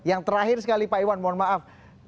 yang terakhir sekali pak iwan mohon maaf